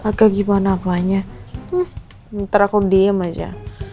agak gimana apanya ntar aku diem aja